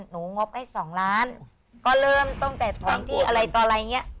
หนูงบให้สองล้านก็เริ่มต้องแต่สองที่อะไรต่ออะไรเงี้ย